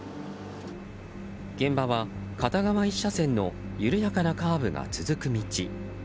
現場は片側１車線の緩やかなカーブが続く道。